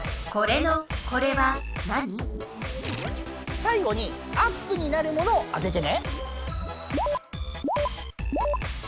最後にアップになるものを当ててね！